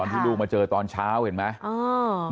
ที่ลูกมาเจอตอนเช้าเห็นไหม